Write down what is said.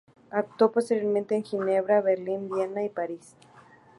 Actuó posteriormente en Ginebra, Berlín, Viena y París.